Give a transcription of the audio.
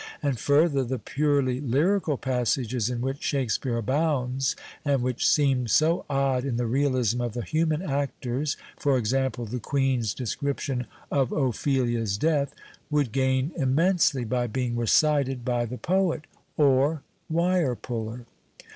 And, further, the purely " lyrical "' passages in which Shakespeare abounds and which seem so odd in the realism of the human actors {e.g., the Queen's description of Ophelia's death) would gain immensely by being recited by the jioet (or wire puller).